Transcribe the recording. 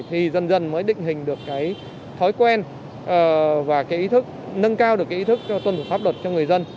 thì dần dần mới định hình được cái thói quen và cái ý thức nâng cao được cái ý thức tuân thủ pháp luật cho người dân